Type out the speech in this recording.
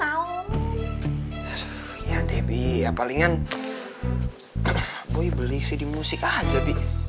aduh ya deh bi ya palingan boy beli cd musik aja bi